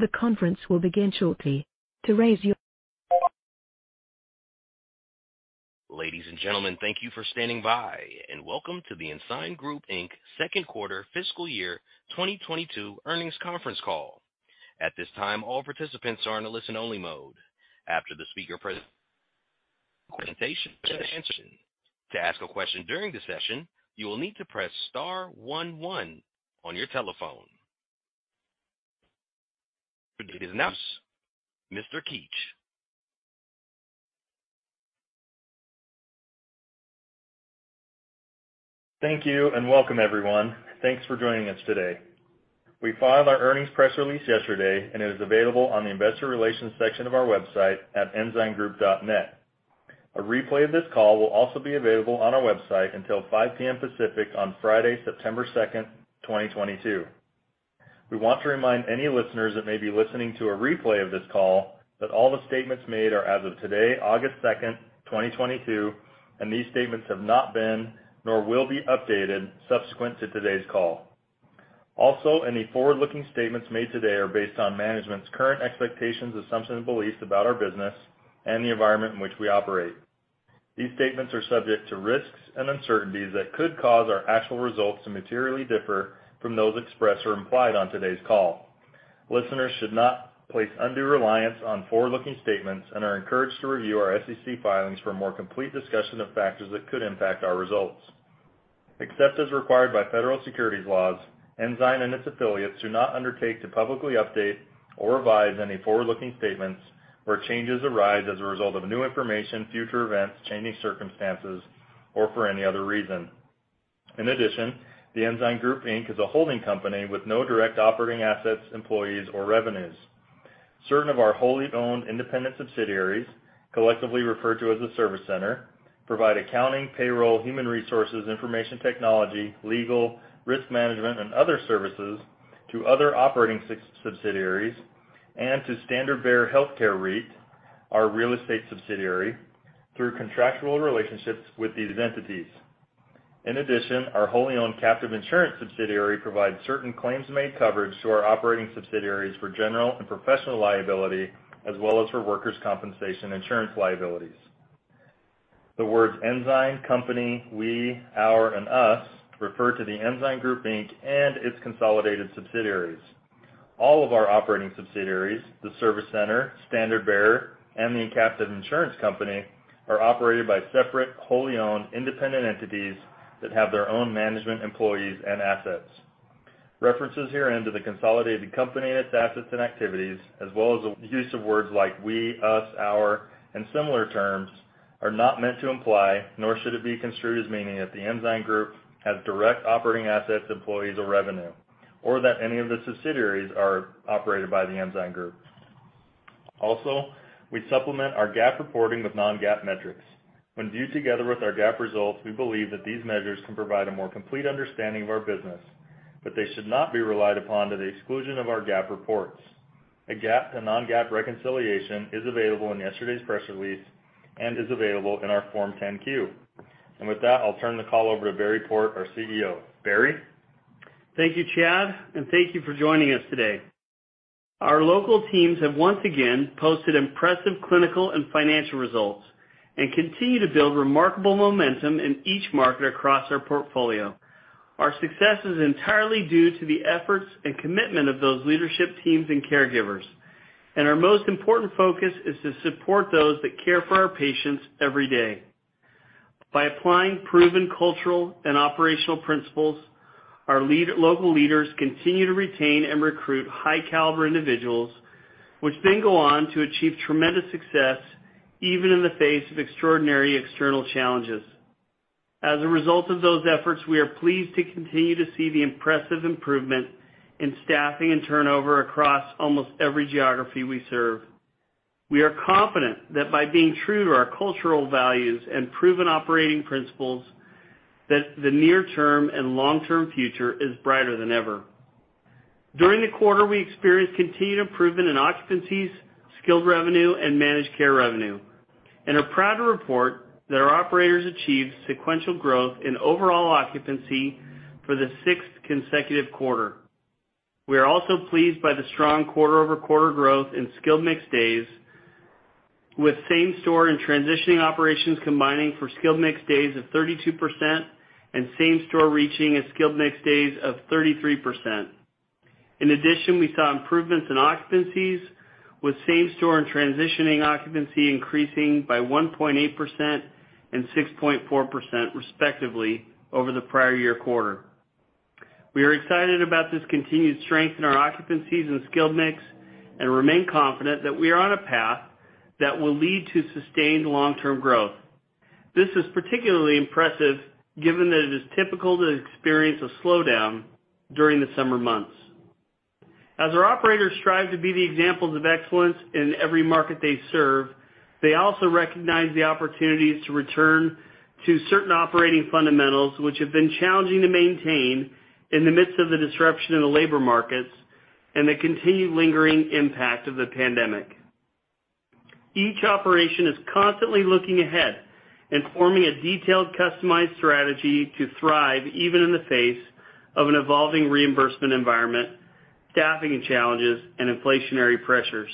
The conference will begin shortly. Ladies and gentlemen, thank you for standing by, and welcome to the Ensign Group Inc. Q2 fiscal year 2022 earnings conference call. At this time, all participants are in a listen-only mode. After the speaker presentation to ask a question during the session, you will need to press star one one on your telephone. With this announcement, Mr. Keach. Thank you and welcome, everyone. Thanks for joining us today. We filed our earnings press release yesterday, and it is available on the investor relations section of our website at ensigngroup.net. A replay of this call will also be available on our website until 5 P.M. Pacific on Friday, September 2nd, 2022. We want to remind any listeners that may be listening to a replay of this call that all the statements made are as of today, August 2nd, 2022, and these statements have not been nor will be updated subsequent to today's call. Also, any forward-looking statements made today are based on management's current expectations, assumptions, and beliefs about our business and the environment in which we operate. These statements are subject to risks and uncertainties that could cause our actual results to materially differ from those expressed or implied on today's call. Listeners should not place undue reliance on forward-looking statements and are encouraged to review our SEC filings for a more complete discussion of factors that could impact our results. Except as required by federal securities laws, Ensign and its affiliates do not undertake to publicly update or revise any forward-looking statements where changes arise as a result of new information, future events, changing circumstances, or for any other reason. In addition, the Ensign Group Inc. is a holding company with no direct operating assets, employees, or revenues. Certain of our wholly owned independent subsidiaries, collectively referred to as the service center, provide accounting, payroll, human resources, information technology, legal, risk management, and other services to other operating subsidiaries and to Standard Bearer Healthcare REIT, our real estate subsidiary, through contractual relationships with these entities. In addition, our wholly owned captive insurance subsidiary provides certain claims-made coverage to our operating subsidiaries for general and professional liability as well as for workers' compensation insurance liabilities. The words Ensign, company, we, our, and us refer to The Ensign Group, Inc. and its consolidated subsidiaries. All of our operating subsidiaries, the service center, Standard Bearer, and the captive insurance company, are operated by separate, wholly owned, independent entities that have their own management, employees, and assets. References herein to the consolidated company, its assets and activities, as well as the use of words like we, us, our, and similar terms are not meant to imply, nor should it be construed as meaning that The Ensign Group has direct operating assets, employees, or revenue, or that any of the subsidiaries are operated by The Ensign Group. Also, we supplement our GAAP reporting with non-GAAP metrics. When viewed together with our GAAP results, we believe that these measures can provide a more complete understanding of our business, but they should not be relied upon to the exclusion of our GAAP reports. A GAAP to non-GAAP reconciliation is available in yesterday's press release and is available in our Form 10-Q. With that, I'll turn the call over to Barry Port, our CEO. Barry? Thank you, Chad, and thank you for joining us today. Our local teams have once again posted impressive clinical and financial results and continue to build remarkable momentum in each market across our portfolio. Our success is entirely due to the efforts and commitment of those leadership teams and caregivers, and our most important focus is to support those that care for our patients every day. By applying proven cultural and operational principles, our local leaders continue to retain and recruit high caliber individuals, which then go on to achieve tremendous success even in the face of extraordinary external challenges. As a result of those efforts, we are pleased to continue to see the impressive improvement in staffing and turnover across almost every geography we serve. We are confident that by being true to our cultural values and proven operating principles, that the near-term and long-term future is brighter than ever. During the quarter, we experienced continued improvement in occupancies, skilled revenue, and managed care revenue and are proud to report that our operators achieved sequential growth in overall occupancy for the sixth consecutive quarter. We are also pleased by the strong quarter-over-quarter growth in skilled mix days, with same store and transitioning operations combining for skilled mix days of 32% and same store reaching a skilled mix days of 33%. In addition, we saw improvements in occupancies, with same store and transitioning occupancy increasing by 1.8% and 6.4%, respectively, over the prior year quarter. We are excited about this continued strength in our occupancies and skilled mix and remain confident that we are on a path that will lead to sustained long-term growth. This is particularly impressive given that it is typical to experience a slowdown during the summer months. As our operators strive to be the examples of excellence in every market they serve, they also recognize the opportunities to return to certain operating fundamentals which have been challenging to maintain in the midst of the disruption in the labor markets and the continued lingering impact of the pandemic. Each operation is constantly looking ahead and forming a detailed, customized strategy to thrive, even in the face of an evolving reimbursement environment, staffing challenges, and inflationary pressures.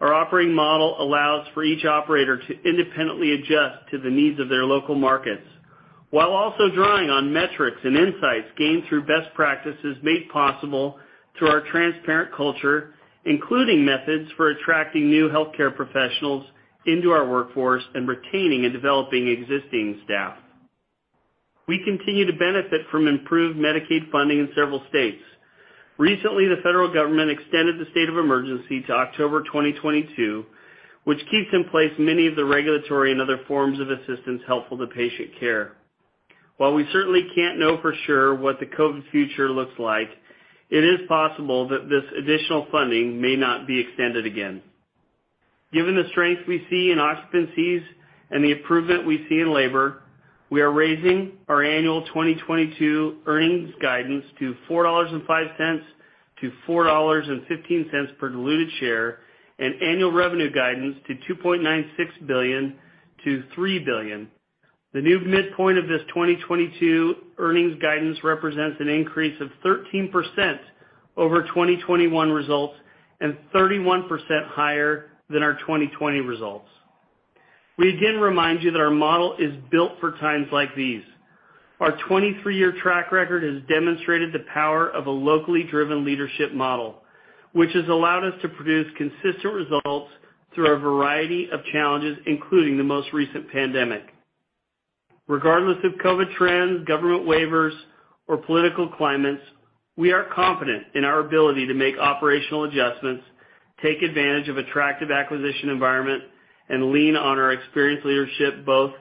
Our operating model allows for each operator to independently adjust to the needs of their local markets while also drawing on metrics and insights gained through best practices made possible through our transparent culture, including methods for attracting new healthcare professionals into our workforce and retaining and developing existing staff. We continue to benefit from improved Medicaid funding in several states. Recently, the federal government extended the state of emergency to October 2022, which keeps in place many of the regulatory and other forms of assistance helpful to patient care. While we certainly can't know for sure what the COVID future looks like, it is possible that this additional funding may not be extended again. Given the strength we see in occupancies and the improvement we see in labor, we are raising our annual 2022 earnings guidance to $4.05-$4.15 per diluted share, and annual revenue guidance to $2.96 billion-$3 billion. The new midpoint of this 2022 earnings guidance represents an increase of 13% over 2021 results and 31% higher than our 2020 results. We again remind you that our model is built for times like these. Our 23-year track record has demonstrated the power of a locally driven leadership model, which has allowed us to produce consistent results through a variety of challenges, including the most recent pandemic. Regardless of COVID trends, government waivers, or political climates, we are confident in our ability to make operational adjustments, take advantage of attractive acquisition environment, and lean on our experienced leadership, both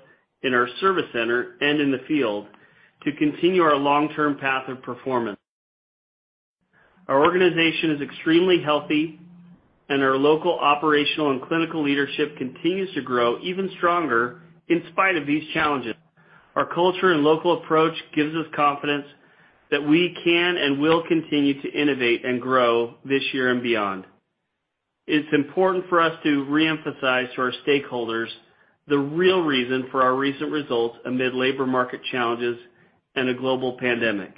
in our service center and in the field, to continue our long-term path of performance. Our organization is extremely healthy, and our local operational and clinical leadership continues to grow even stronger in spite of these challenges. Our culture and local approach gives us confidence that we can and will continue to innovate and grow this year and beyond. It's important for us to reemphasize to our stakeholders the real reason for our recent results amid labor market challenges and a global pandemic.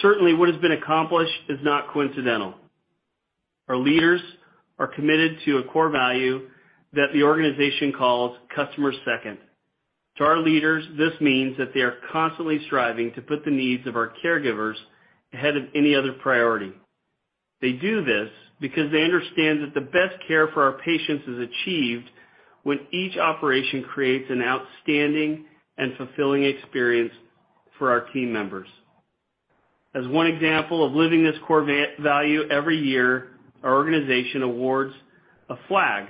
Certainly, what has been accomplished is not coincidental. Our leaders are committed to a core value that the organization calls customers second. To our leaders, this means that they are constantly striving to put the needs of our caregivers ahead of any other priority. They do this because they understand that the best care for our patients is achieved when each operation creates an outstanding and fulfilling experience for our team members. As one example of living this core value every year, our organization awards a flag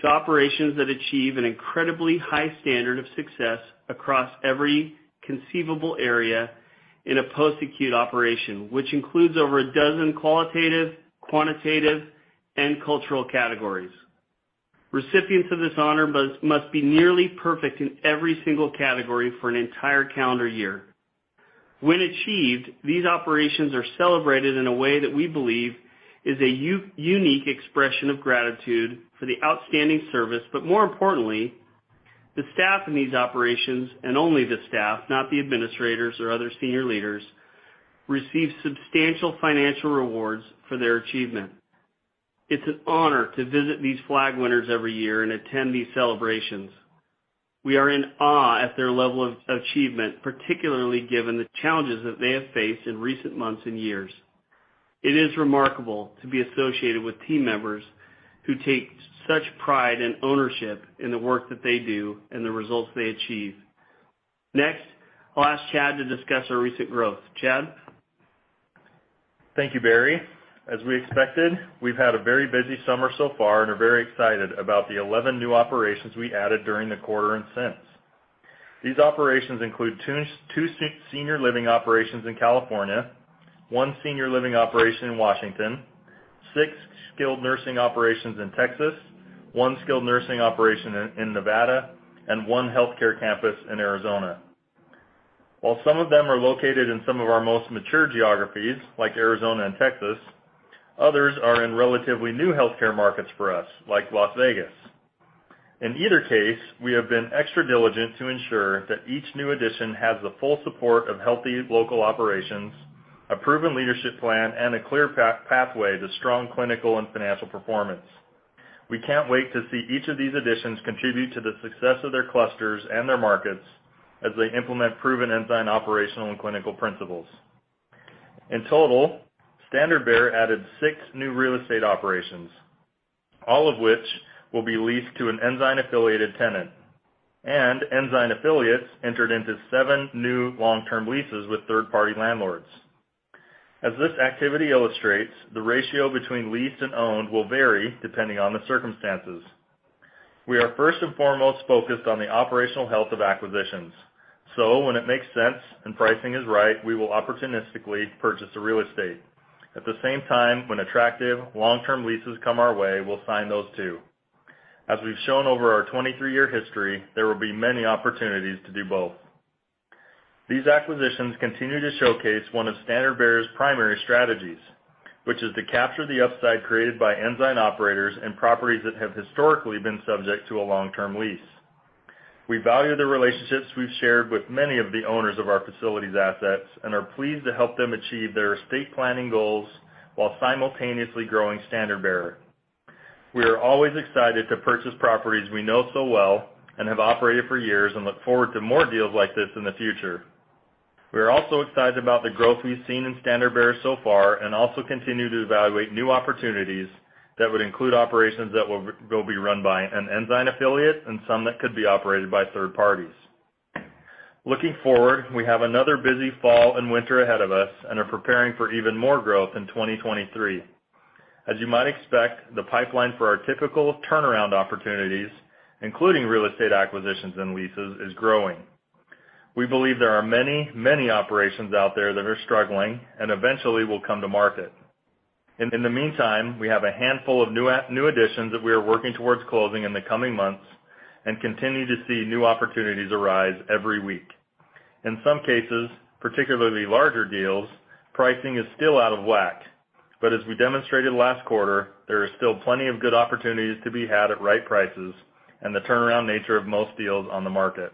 to operations that achieve an incredibly high standard of success across every conceivable area in a post-acute operation, which includes over a dozen qualitative, quantitative, and cultural categories. Recipients of this honor must be nearly perfect in every single category for an entire calendar year. When achieved, these operations are celebrated in a way that we believe is a unique expression of gratitude for the outstanding service. More importantly, the staff in these operations, and only the staff, not the administrators or other senior leaders, receive substantial financial rewards for their achievement. It's an honor to visit these flag winners every year and attend these celebrations. We are in awe at their level of achievement, particularly given the challenges that they have faced in recent months and years. It is remarkable to be associated with team members who take such pride and ownership in the work that they do and the results they achieve. Next, I'll ask Chad to discuss our recent growth. Chad? Thank you, Barry. As we expected, we've had a very busy summer so far and are very excited about the 11 new operations we added during the quarter and since. These operations include two senior living operations in California, one senior living operation in Washington, six skilled nursing operations in Texas, one skilled nursing operation in Nevada, and one healthcare campus in Arizona. While some of them are located in some of our most mature geographies, like Arizona and Texas, others are in relatively new healthcare markets for us, like Las Vegas. In either case, we have been extra diligent to ensure that each new addition has the full support of healthy local operations, a proven leadership plan, and a clear pathway to strong clinical and financial performance. We can't wait to see each of these additions contribute to the success of their clusters and their markets as they implement proven Ensign operational and clinical principles. In total, Standard Bearer added six new real estate operations, all of which will be leased to an Ensign affiliated tenant. Ensign affiliates entered into seven new long-term leases with third-party landlords. As this activity illustrates, the ratio between leased and owned will vary depending on the circumstances. We are first and foremost focused on the operational health of acquisitions, so when it makes sense and pricing is right, we will opportunistically purchase the real estate. At the same time, when attractive long-term leases come our way, we'll sign those too. As we've shown over our 23-year history, there will be many opportunities to do both. These acquisitions continue to showcase one of Standard Bearer's primary strategies, which is to capture the upside created by Ensign operators and properties that have historically been subject to a long-term lease. We value the relationships we've shared with many of the owners of our facilities assets and are pleased to help them achieve their estate planning goals while simultaneously growing Standard Bearer. We are always excited to purchase properties we know so well and have operated for years, and look forward to more deals like this in the future. We are also excited about the growth we've seen in Standard Bearer so far and also continue to evaluate new opportunities that would include operations that they'll be run by an Ensign affiliate and some that could be operated by third parties. Looking forward, we have another busy fall and winter ahead of us and are preparing for even more growth in 2023. As you might expect, the pipeline for our typical turnaround opportunities, including real estate acquisitions and leases, is growing. We believe there are many, many operations out there that are struggling and eventually will come to market. In the meantime, we have a handful of new additions that we are working towards closing in the coming months and continue to see new opportunities arise every week. In some cases, particularly larger deals, pricing is still out of whack. As we demonstrated last quarter, there are still plenty of good opportunities to be had at right prices and the turnaround nature of most deals on the market.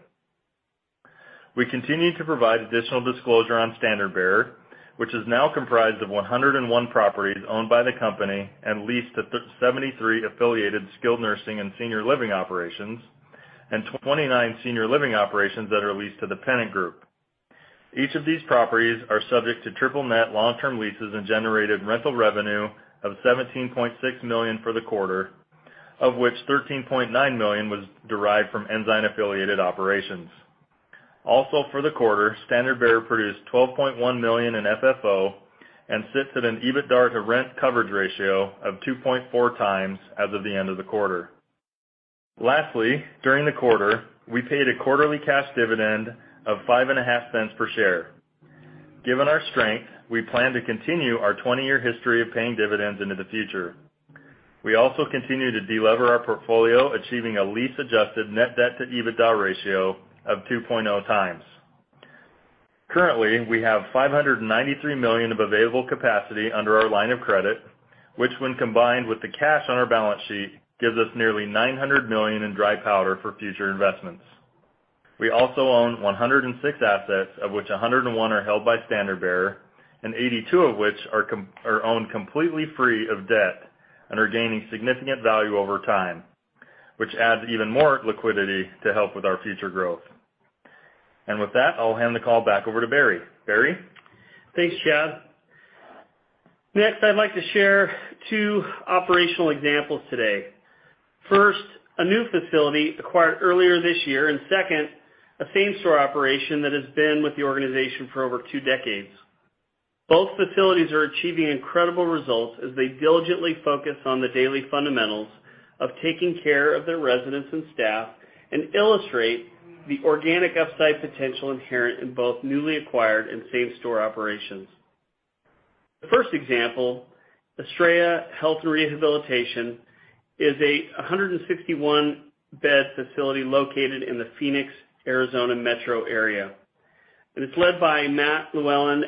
We continue to provide additional disclosure on Standard Bearer, which is now comprised of 101 properties owned by the company and leased to seventy-three affiliated skilled nursing and senior living operations and 29 senior living operations that are leased to the Pennant Group. Each of these properties are subject to triple-net long-term leases and generated rental revenue of $17.6 million for the quarter, of which $13.9 million was derived from Ensign affiliated operations. Also, for the quarter, Standard Bearer produced $12.1 million in FFO and sits at an EBITDAR to rent coverage ratio of 2.4 times as of the end of the quarter. Lastly, during the quarter, we paid a quarterly cash dividend of $0.055 per share. Given our strength, we plan to continue our 20-year history of paying dividends into the future. We also continue to delever our portfolio, achieving a lease-adjusted net debt to EBITDA ratio of 2.0 times. Currently, we have $593 million of available capacity under our line of credit, which when combined with the cash on our balance sheet, gives us nearly $900 million in dry powder for future investments. We also own 106 assets, of which 101 are held by Standard Bearer and 82 of which are owned completely free of debt and are gaining significant value over time, which adds even more liquidity to help with our future growth. With that, I'll hand the call back over to Barry. Barry? Thanks, Chad. Next, I'd like to share two operational examples today. First, a new facility acquired earlier this year, and second, a same store operation that has been with the organization for over two decades. Both facilities are achieving incredible results as they diligently focus on the daily fundamentals of taking care of their residents and staff and illustrate the organic upside potential inherent in both newly acquired and same store operations. The first example, Estrella Health and Rehabilitation, is a 161-bed facility located in the Phoenix, Arizona metro area. It's led by Matt Moylan,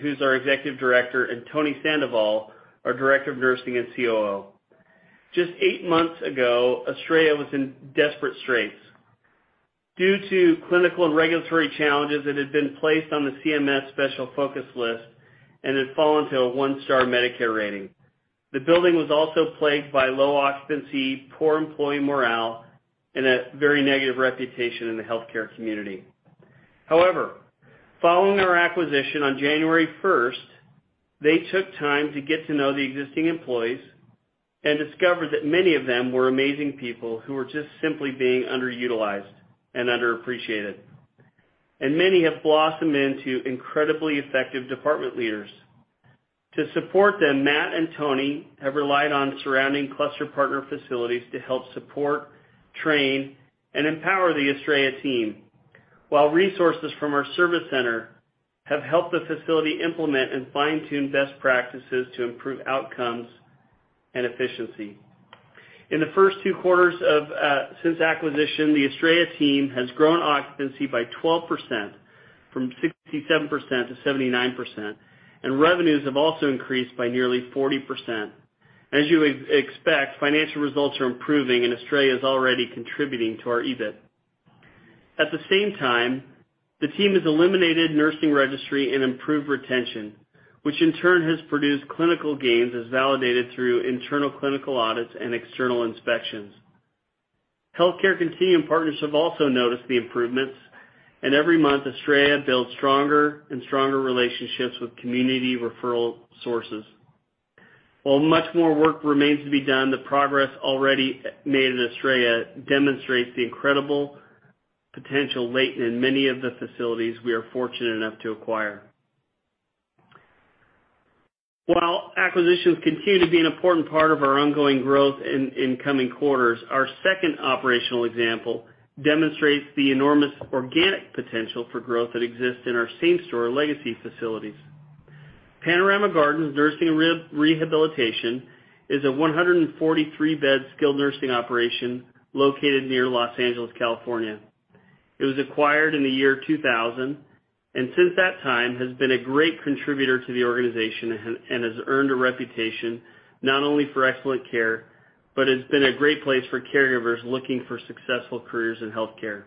who's our executive director, and Tony Sandoval, our director of nursing and COO. Just eight months ago, Estrella was in desperate straits. Due to clinical and regulatory challenges, it had been placed on the CMS Special Focus list and had fallen to a one-star Medicare rating. The building was also plagued by low occupancy, poor employee morale, and a very negative reputation in the healthcare community. However, following our acquisition on January first, they took time to get to know the existing employees and discovered that many of them were amazing people who were just simply being underutilized and underappreciated. Many have blossomed into incredibly effective department leaders. To support them, Matt and Tony have relied on surrounding cluster partner facilities to help support, train, and empower the Estrella team, while resources from our service center have helped the facility implement and fine-tune best practices to improve outcomes and efficiency. In the first two quarters since acquisition, the Estrella team has grown occupancy by 12% from 67% to 79%, and revenues have also increased by nearly 40%. As you expect, financial results are improving, and Estrella is already contributing to our EBIT. At the same time, the team has eliminated nursing registry and improved retention, which in turn has produced clinical gains as validated through internal clinical audits and external inspections. Healthcare continuum partners have also noticed the improvements, and every month, Estrella builds stronger and stronger relationships with community referral sources. While much more work remains to be done, the progress already made at Estrella demonstrates the incredible potential latent in many of the facilities we are fortunate enough to acquire. While acquisitions continue to be an important part of our ongoing growth in coming quarters, our second operational example demonstrates the enormous organic potential for growth that exists in our same store legacy facilities. Panorama Gardens Nursing and Rehabilitation is a 143-bed skilled nursing operation located near Los Angeles, California. It was acquired in the year 2000, and since that time has been a great contributor to the organization and has earned a reputation not only for excellent care, but has been a great place for caregivers looking for successful careers in healthcare.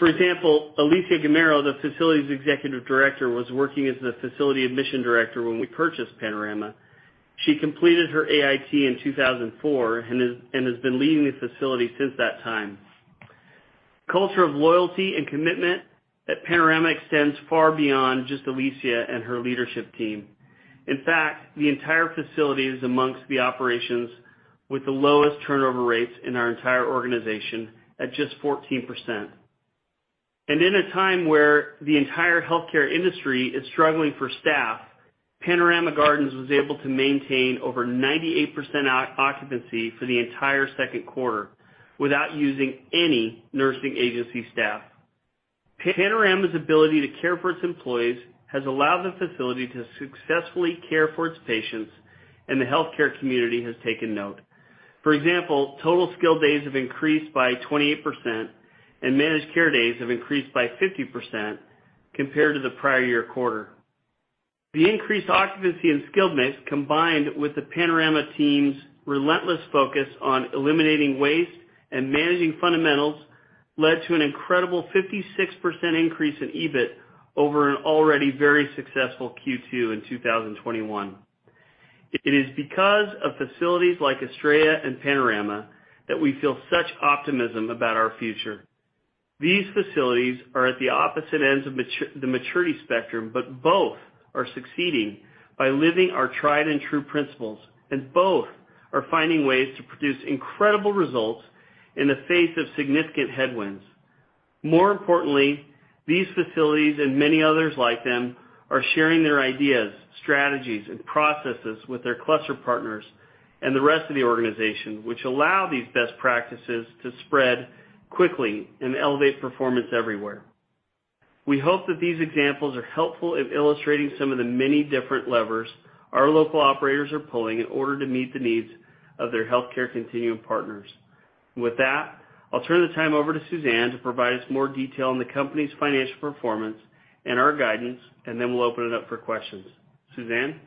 For example, Alicia Gamero, the facility's Executive Director, was working as the facility Admission Director when we purchased Panorama. She completed her AIT in 2004, and has been leading the facility since that time. Culture of loyalty and commitment at Panorama extends far beyond just Alicia and her leadership team. In fact, the entire facility is among the operations with the lowest turnover rates in our entire organization at just 14%. In a time where the entire healthcare industry is struggling for staff, Panorama Gardens was able to maintain over 98% occupancy for the entire Q2 without using any nursing agency staff. Panorama's ability to care for its employees has allowed the facility to successfully care for its patients, and the healthcare community has taken note. For example, total skilled days have increased by 28%, and managed care days have increased by 50% compared to the prior year quarter. The increased occupancy and skilled mix, combined with the Panorama team's relentless focus on eliminating waste and managing fundamentals, led to an incredible 56% increase in EBIT over an already very successful Q2 in 2021. It is because of facilities like Estrella and Panorama that we feel such optimism about our future. These facilities are at the opposite ends of maturity. The maturity spectrum, but both are succeeding by living our tried and true principles, and both are finding ways to produce incredible results in the face of significant headwinds. More importantly, these facilities and many others like them are sharing their ideas, strategies, and processes with their cluster partners and the rest of the organization, which allow these best practices to spread quickly and elevate performance everywhere. We hope that these examples are helpful in illustrating some of the many different levers our local operators are pulling in order to meet the needs of their healthcare continuum partners. With that, I'll turn the time over to Suzanne to provide us more detail on the company's financial performance and our guidance, and then we'll open it up for questions. Suzanne?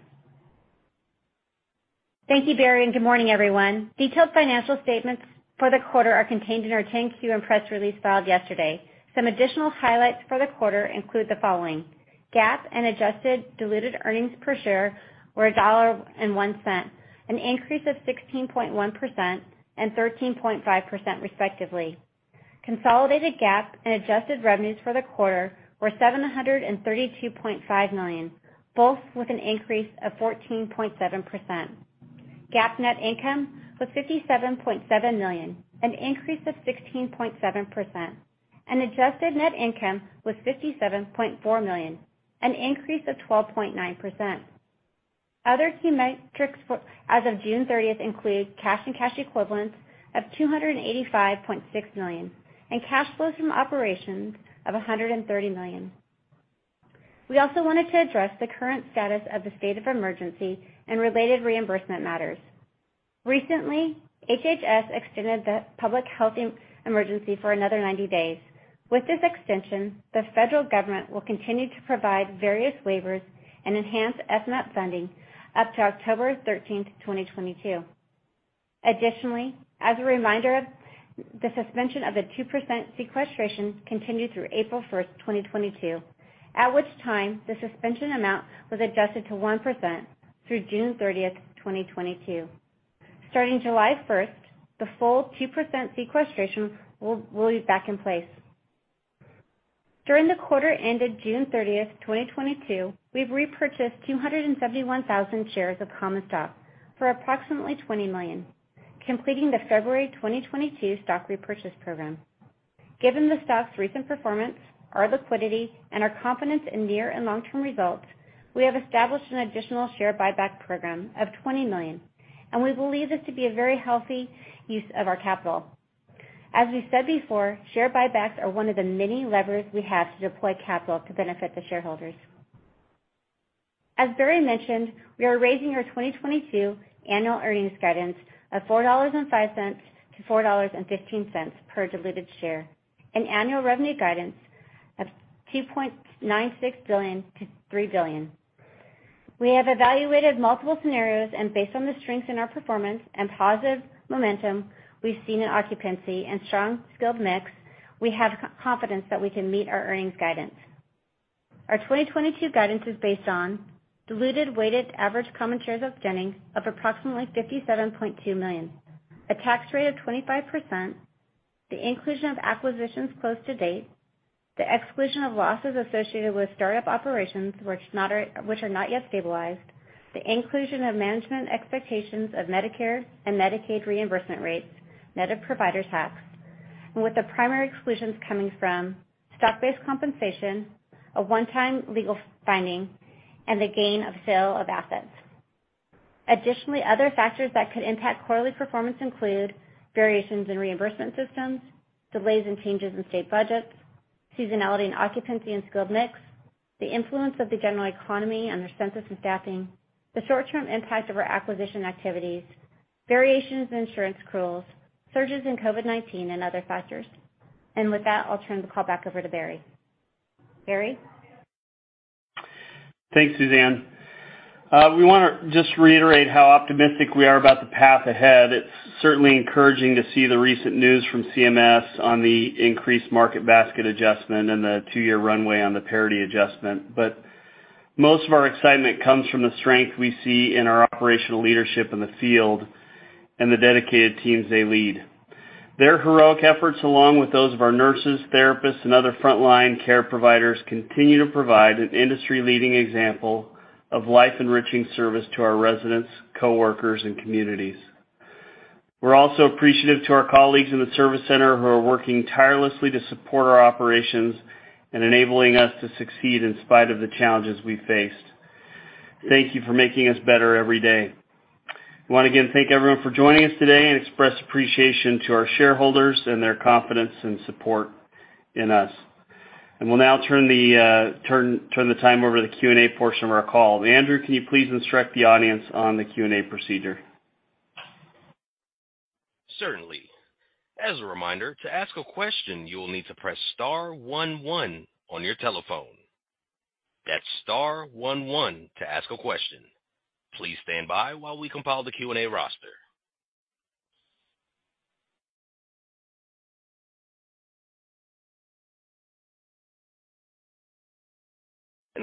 Thank you, Barry, and good morning, everyone. Detailed financial statements for the quarter are contained in our 10-Q and press release filed yesterday. Some additional highlights for the quarter include the following. GAAP and adjusted diluted earnings per share were $1.01, an increase of 16.1% and 13.5% respectively. Consolidated GAAP and adjusted revenues for the quarter were $732.5 million, both with an increase of 14.7%. GAAP net income was $57.7 million, an increase of 16.7%, and adjusted net income was $57.4 million, an increase of 12.9%. Other key metrics as of June 30th include cash and cash equivalents of $285.6 million, and cash flows from operations of $130 million. We also wanted to address the current status of the state of emergency and related reimbursement matters. Recently, HHS extended the public health emergency for another 90 days. With this extension, the federal government will continue to provide various waivers and enhanced FMAP funding up to October 13th, 2022. Additionally, as a reminder, the suspension of the 2% sequestration continued through April 1st, 2022, at which time the suspension amount was adjusted to 1% through June 30th, 2022. Starting July 1st, the full 2% sequestration will be back in place. During the quarter ended June 30th, 2022, we've repurchased 271,000 shares of common stock for approximately $20 million, completing the February 2022 stock repurchase program. Given the stock's recent performance, our liquidity, and our confidence in near and long-term results, we have established an additional share buyback program of $20 million, and we believe this to be a very healthy use of our capital. As we said before, share buybacks are one of the many levers we have to deploy capital to benefit the shareholders. As Barry mentioned, we are raising our 2022 annual earnings guidance of $4.05-$4.15 per diluted share, an annual revenue guidance of $2.96 billion-$3 billion. We have evaluated multiple scenarios, and based on the strength in our performance and positive momentum we've seen in occupancy and strong skilled mix, we have confidence that we can meet our earnings guidance. Our 2022 guidance is based on diluted weighted average common shares of Ensign of approximately 57.2 million, a tax rate of 25%, the inclusion of acquisitions closed to date, the exclusion of losses associated with start-up operations which are not yet stabilized, the inclusion of management expectations of Medicare and Medicaid reimbursement rates, net of provider tax, and with the primary exclusions coming from stock-based compensation, a one-time legal finding, and the gain on sale of assets. Additionally, other factors that could impact quarterly performance include variations in reimbursement systems, delays and changes in state budgets, seasonality and occupancy and skilled mix, the influence of the general economy on their census and staffing, the short-term impact of our acquisition activities, variations in insurance rules, surges in COVID-19, and other factors. With that, I'll turn the call back over to Barry. Barry? Thanks, Suzanne. We wanna just reiterate how optimistic we are about the path ahead. It's certainly encouraging to see the recent news from CMS on the increased market basket adjustment and the two-year runway on the parity adjustment. Most of our excitement comes from the strength we see in our operational leadership in the field and the dedicated teams they lead. Their heroic efforts, along with those of our nurses, therapists, and other frontline care providers, continue to provide an industry-leading example of life-enriching service to our residents, coworkers, and communities. We're also appreciative to our colleagues in the service center, who are working tirelessly to support our operations and enabling us to succeed in spite of the challenges we faced. Thank you for making us better every day. We wanna again thank everyone for joining us today and express appreciation to our shareholders and their confidence and support in us. We'll now turn the time over to the Q&A portion of our call. Andrew, can you please instruct the audience on the Q&A procedure? Certainly. As a reminder, to ask a question, you will need to press star one one on your telephone. That's star one one to ask a question. Please stand by while we compile the Q&A roster.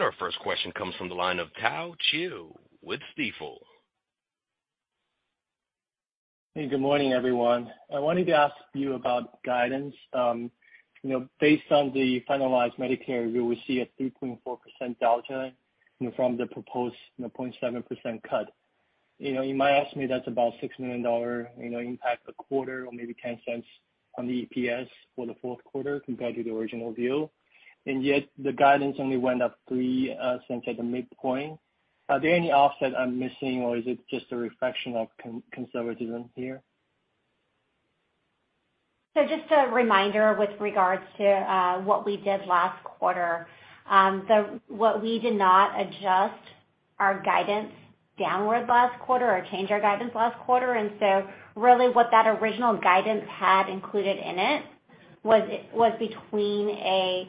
Our first question comes from the line of Tao Qiu with Stifel. Hey, good morning, everyone. I wanted to ask you about guidance. You know, based on the finalized Medicare rule, we see a 3.4% delta from the proposed, you know, 0.7% cut. You know, you might ask me that's about $6 million, you know, impact a quarter or maybe $0.10 on the EPS for the Q4 compared to the original view. Yet the guidance only went up 3 cents at the midpoint. Are there any offset I'm missing, or is it just a reflection of conservatism here? Just a reminder with regards to what we did last quarter. What we did not adjust our guidance downward last quarter or change our guidance last quarter, really what that original guidance had included in it was between a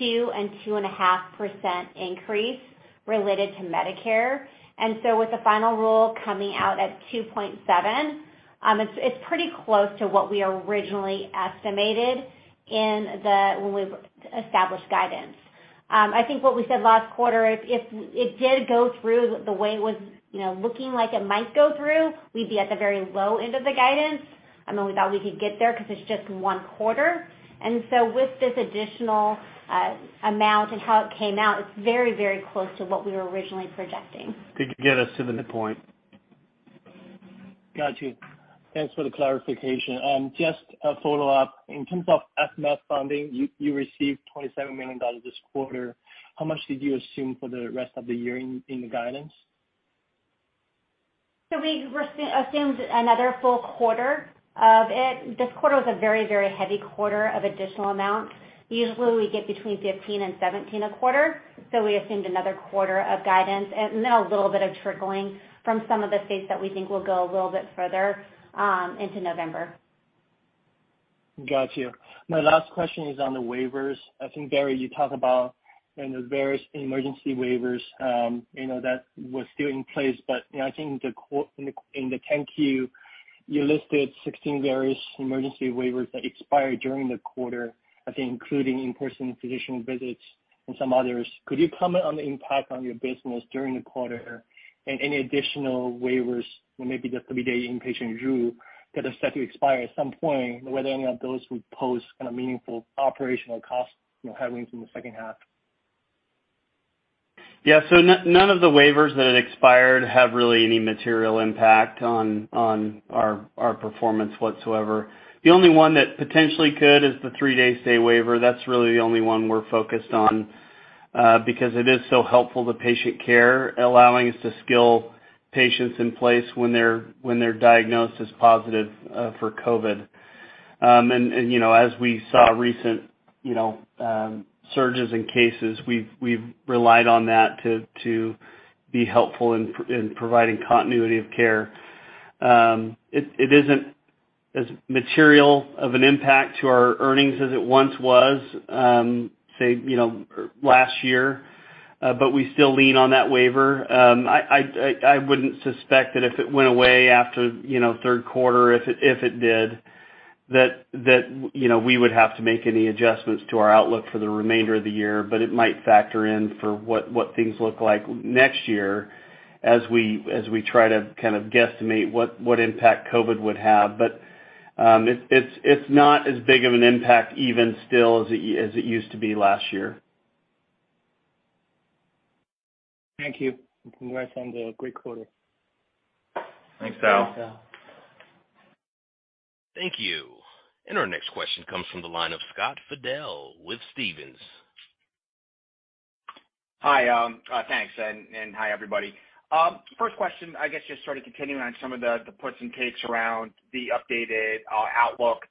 2% and 2.5% increase related to Medicare. With the final rule coming out at 2.7%, it's pretty close to what we originally estimated when we established guidance. I think what we said last quarter, if it did go through the way it was you know looking like it might go through, we'd be at the very low end of the guidance, and then we thought we could get there because it's just one quarter. With this additional amount and how it came out, it's very, very close to what we were originally projecting. Could you get us to the midpoint? Got you. Thanks for the clarification. Just a follow-up. In terms of FMAP funding, you received $27 million this quarter. How much did you assume for the rest of the year in the guidance? We assumed another full quarter of it. This quarter was a very, very heavy quarter of additional amounts. Usually we get between 15 and 17 a quarter, so we assumed another quarter of guidance and a little bit of trickling from some of the states that we think will go a little bit further into November. Got you. My last question is on the waivers. I think, Barry, you talked about, you know, the various emergency waivers, you know, that were still in place. You know, I think in the 10-Q, you listed 16 various emergency waivers that expired during the quarter, I think including in-person physician visits and some others. Could you comment on the impact on your business during the quarter and any additional waivers, or maybe the three-day inpatient rule that is set to expire at some point, whether any of those would pose kind of meaningful operational costs, you know, headwinds in the second half? Yeah. None of the waivers that had expired have really any material impact on our performance whatsoever. The only one that potentially could is the three-day stay waiver. That's really the only one we're focused on because it is so helpful to patient care, allowing us to skill patients in place when their diagnosis positive for COVID. You know, as we saw recently, you know, surges in cases, we've relied on that to be helpful in providing continuity of care. It isn't as material of an impact to our earnings as it once was, say, you know, last year, but we still lean on that waiver. I wouldn't suspect that if it went away after you know Q3 if it did that you know we would have to make any adjustments to our outlook for the remainder of the year. It might factor in for what things look like next year as we try to kind of guesstimate what impact COVID would have. It's not as big of an impact even still as it used to be last year. Thank you. Congrats on the great quarter. Thanks, Tao. Thank you. Our next question comes from the line of Scott Fidel with Stephens. Hi. Thanks and hi, everybody. First question, I guess, just sort of continuing on some of the puts and takes around the updated outlook.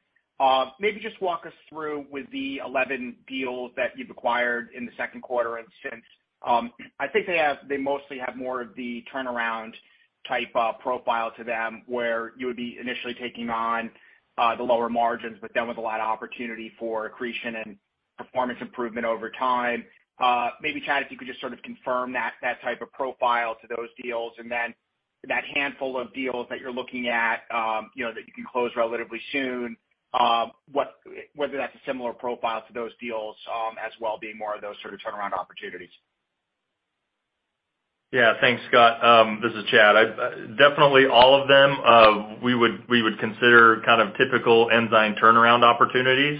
Maybe just walk us through with the 11 deals that you've acquired in the Q2 and since. I think they mostly have more of the turnaround type profile to them, where you would be initially taking on the lower margins, but then with a lot of opportunity for accretion and performance improvement over time. Maybe, Chad, if you could just sort of confirm that type of profile to those deals. Then that handful of deals that you're looking at, you know, that you can close relatively soon, whether that's a similar profile to those deals, as well being more of those sort of turnaround opportunities. Yeah. Thanks, Scott. This is Chad. I definitely all of them we would consider kind of typical Ensign turnaround opportunities.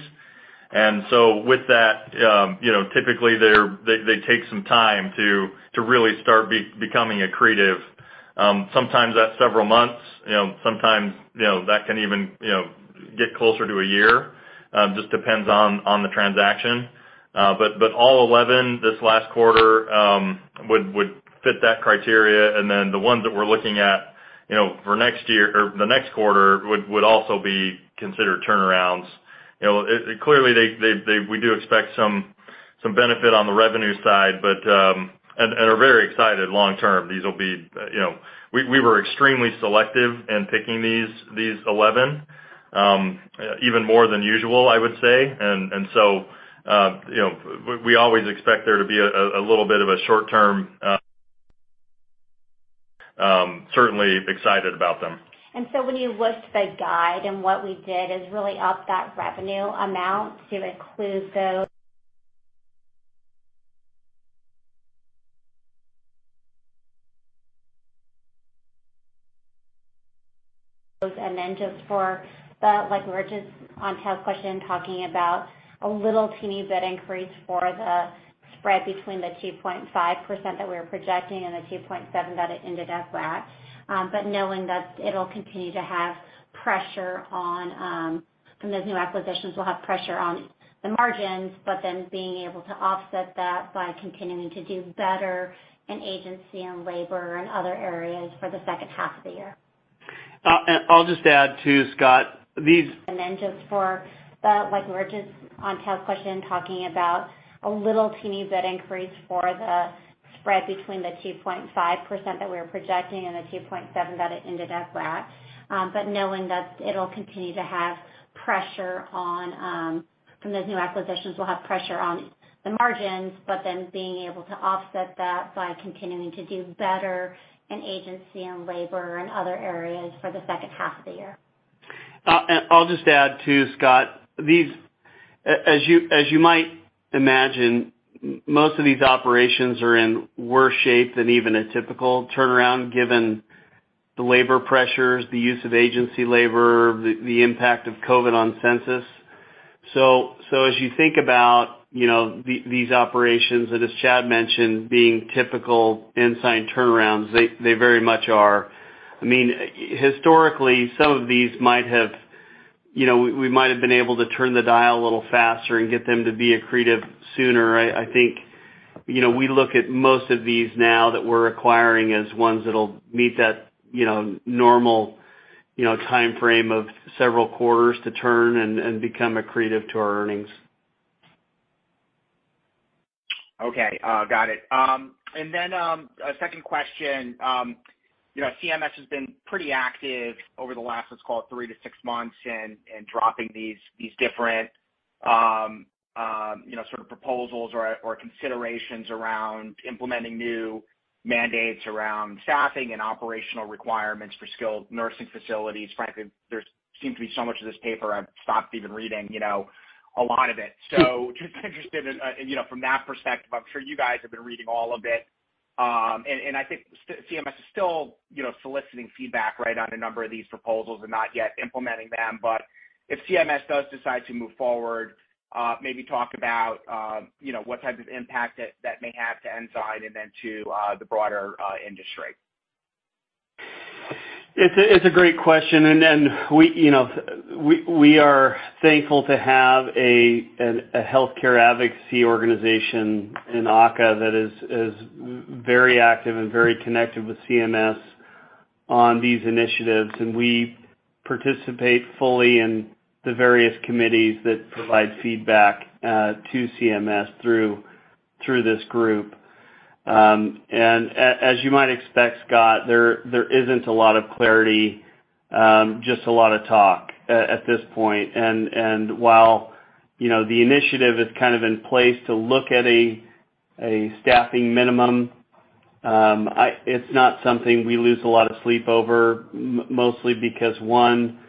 With that, you know, typically they take some time to really start becoming accretive. Sometimes that's several months. You know, sometimes, you know, that can even, you know, get closer to a year. Just depends on the transaction. But all 11 this last quarter would fit that criteria. Then the ones that we're looking at, you know, for next year or the next quarter would also be considered turnarounds. You know, clearly we do expect some benefit on the revenue side, but and are very excited long term. These will be, you know. We were extremely selective in picking these 11, even more than usual, I would say. You know, we always expect there to be a little bit of a short term, certainly excited about them. When you looked at the guide and what we did is really up that revenue amount to include those. Then just for the, like we were just on Tao's question, talking about a little teeny bit increase for the spread between the 2.5% that we were projecting and the 2.7% that it ended up at. But knowing that it'll continue to have pressure on from those new acquisitions will have pressure on the margins, but then being able to offset that by continuing to do better in agency and labor and other areas for the second half of the year. I'll just add too, Scott, these- Just for the, like we were just on Tao's question, talking about a little teeny bit increase for the spread between the 2.5% that we were projecting and the 2.7% that it ended up at. But knowing that it'll continue to have pressure on from those new acquisitions will have pressure on the margins, but then being able to offset that by continuing to do better in agency and labor and other areas for the second half of the year. I'll just add too, Scott, these, as you might imagine, most of these operations are in worse shape than even a typical turnaround, given the labor pressures, the use of agency labor, the impact of COVID on census. As you think about, you know, these operations, and as Chad mentioned, being typical Ensign turnarounds, they very much are. I mean, historically, some of these might have, you know, we might have been able to turn the dial a little faster and get them to be accretive sooner. I think, you know, we look at most of these now that we're acquiring as ones that'll meet that, you know, normal timeframe of several quarters to turn and become accretive to our earnings. Okay. Got it. A second question. You know, CMS has been pretty active over the last, let's call it three to six months in dropping these different, you know, sort of proposals or considerations around implementing new mandates around staffing and operational requirements for skilled nursing facilities. Frankly, there seems to be so much of this paper I've stopped even reading, you know, a lot of it. Just interested in, you know, from that perspective, I'm sure you guys have been reading all of it. I think CMS is still, you know, soliciting feedback, right, on a number of these proposals and not yet implementing them. If CMS does decide to move forward, maybe talk about, you know, what type of impact that may have to Ensign and then to the broader industry. It's a great question. You know, we are thankful to have a healthcare advocacy organization in AHCA that is very active and very connected with CMS on these initiatives. We participate fully in the various committees that provide feedback to CMS through this group. As you might expect, Scott, there isn't a lot of clarity, just a lot of talk at this point. While you know, the initiative is kind of in place to look at a staffing minimum, it's not something we lose a lot of sleep over, mostly because, one,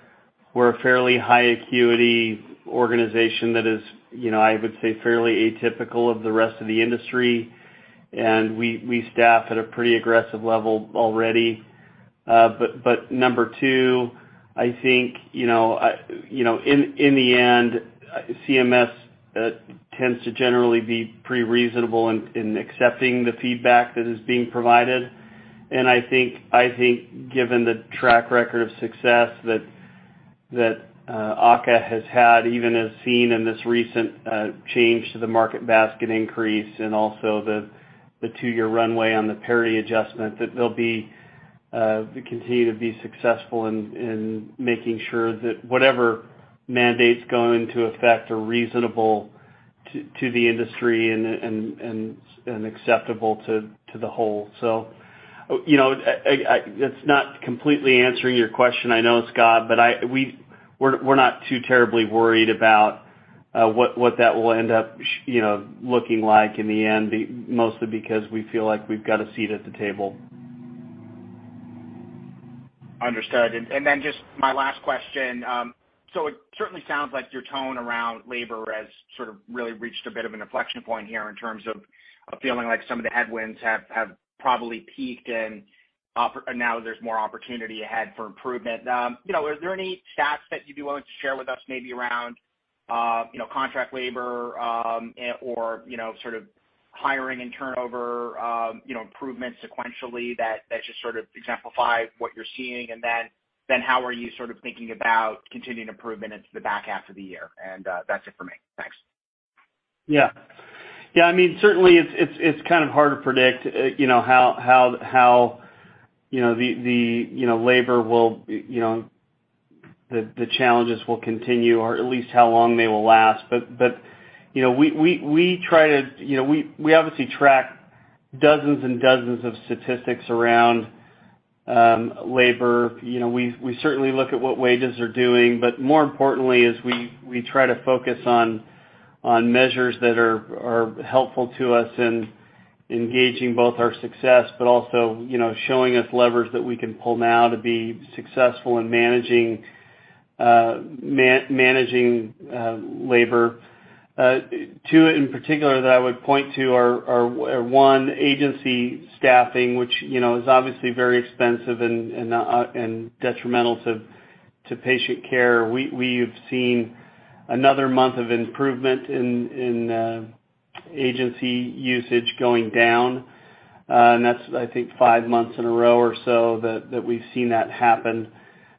we're a fairly high acuity organization that is, you know, I would say fairly atypical of the rest of the industry, and we staff at a pretty aggressive level already. Number two, I think, you know, you know, in the end, CMS tends to generally be pretty reasonable in accepting the feedback that is being provided. I think given the track record of success that AHCA has had, even as seen in this recent change to the market basket increase and also the two-year runway on the parity adjustment, that they'll continue to be successful in making sure that whatever mandates go into effect are reasonable to the industry and acceptable to the whole. It's not completely answering your question, I know, Scott, but we're not too terribly worried about what that will end up you know, looking like in the end, mostly because we feel like we've got a seat at the table. Understood. Then just my last question. It certainly sounds like your tone around labor has sort of really reached a bit of an inflection point here in terms of feeling like some of the headwinds have probably peaked and now there's more opportunity ahead for improvement. You know, are there any stats that you'd be willing to share with us, maybe around you know, contract labor, or you know, sort of hiring and turnover, you know, improvements sequentially that just sort of exemplify what you're seeing? Then how are you sort of thinking about continuing improvement into the back half of the year? That's it for me. Thanks. Yeah, I mean, certainly it's kind of hard to predict, you know, how the labor will. The challenges will continue, or at least how long they will last. You know, we try to, you know, we obviously track dozens and dozens of statistics around labor. You know, we certainly look at what wages are doing. More importantly is we try to focus on measures that are helpful to us in engaging both our success, but also, you know, showing us levers that we can pull now to be successful in managing labor. Two in particular that I would point to are one, agency staffing, which, you know, is obviously very expensive and detrimental to patient care. We've seen another month of improvement in agency usage going down. That's I think five months in a row or so that we've seen that happen.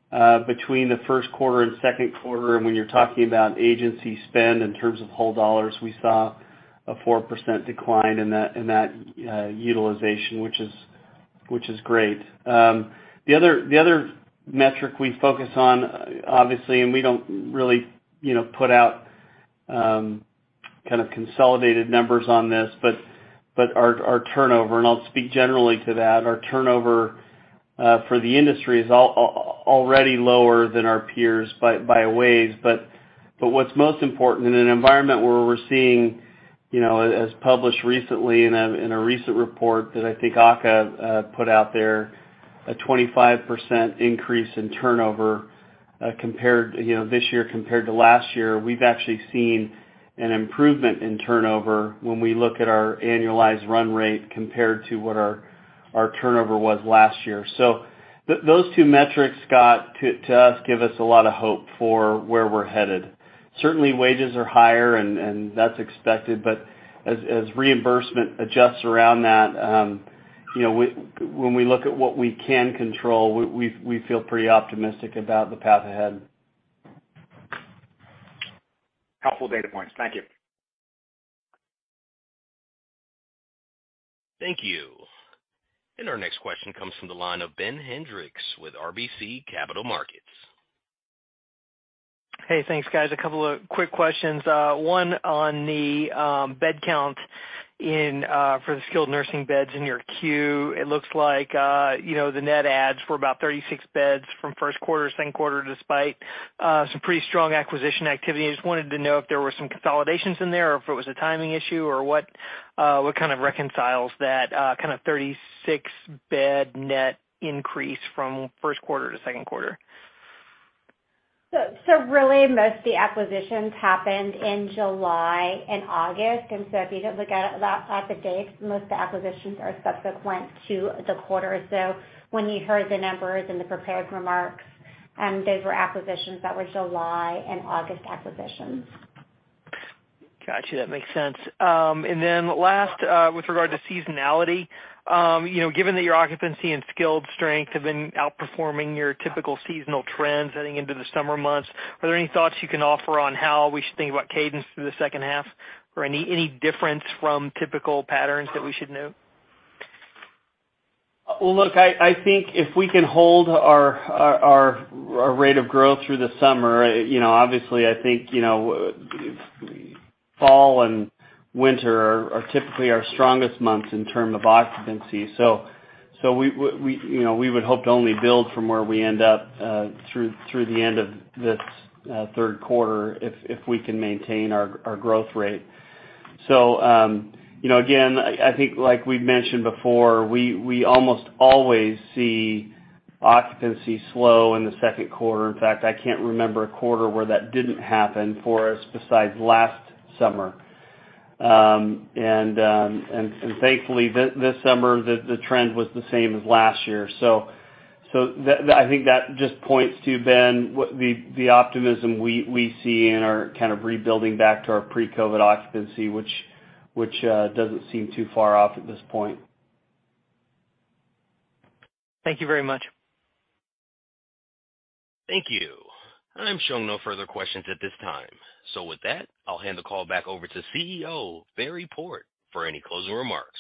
Between the Q1 and Q2, when you're talking about agency spend in terms of whole dollars, we saw a 4% decline in that utilization, which is great. The other metric we focus on, obviously, and we don't really, you know, put out kind of consolidated numbers on this, but our turnover, and I'll speak generally to that. Our turnover for the industry is already lower than our peers by a ways. What's most important in an environment where we're seeing as published recently in a recent report that I think AHCA put out there, a 25% increase in turnover compared this year to last year. We've actually seen an improvement in turnover when we look at our annualized run rate compared to what our turnover was last year. Those two metrics, Scott, to us, give us a lot of hope for where we're headed. Certainly, wages are higher and that's expected. As reimbursement adjusts around that, when we look at what we can control, we feel pretty optimistic about the path ahead. Helpful data points. Thank you. Thank you. Our next question comes from the line of Ben Hendrix with RBC Capital Markets. Hey, thanks, guys. A couple of quick questions. One on the bed count for the skilled nursing beds in your queue. It looks like, you know, the net adds were about 36 beds from Q1 to Q2, despite some pretty strong acquisition activity. I just wanted to know if there were some consolidations in there or if it was a timing issue or what kind of reconciles that kind of 36 bed net increase from Q1 to Q2. Really most of the acquisitions happened in July and August. If you look at the dates, most of the acquisitions are subsequent to the quarter. When you heard the numbers in the prepared remarks, those were acquisitions that were July and August acquisitions. Got you. That makes sense. Last, with regard to seasonality, you know, given that your occupancy and skilled strength have been outperforming your typical seasonal trends heading into the summer months, are there any thoughts you can offer on how we should think about cadence through the second half? Or any difference from typical patterns that we should note? Well, look, I think if we can hold our rate of growth through the summer, you know, obviously I think, you know, fall and winter are typically our strongest months in terms of occupancy. We, you know, would hope to only build from where we end up through the end of this Q3 if we can maintain our growth rate. You know, again, I think like we've mentioned before, we almost always see occupancy slow in the Q2. In fact, I can't remember a quarter where that didn't happen for us besides last summer. Thankfully this summer, the trend was the same as last year. I think that just points to, Ben, what the optimism we see in our kind of rebuilding back to our pre-COVID occupancy, which doesn't seem too far off at this point. Thank you very much. Thank you. I'm showing no further questions at this time. With that, I'll hand the call back over to CEO, Barry Port, for any closing remarks.